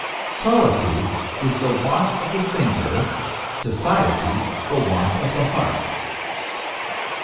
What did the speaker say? Solitude is the want of the thinker, society the want of the heart.